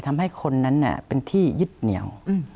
ทำให้คนนั้นเป็นที่ยึดเหนียว